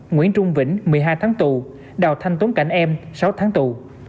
nguyễn trung vĩnh một mươi hai tháng tù đào thanh tuấn cảnh em sáu tháng tù